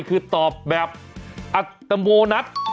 คือตอบแบบอัตโนมัติ